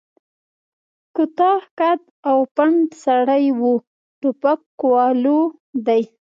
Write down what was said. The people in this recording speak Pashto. کوتاه قد او پنډ سړی و، ټوپکوالو دی.